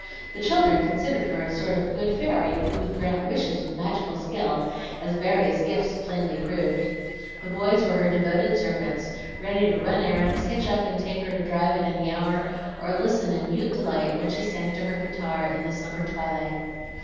The children considered her a sort of good fairy who could grant wishes with magical skill, as various gifts plainly proved. The boys were her devoted servants, ready to run errands, "hitch up" and take her to drive at any hour, or listen in mute delight when she sang to her guitar in the summer twilight.